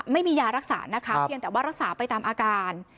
ไม่มียารักษานะคะเพียงแต่ว่ารักษาไปตามอาการ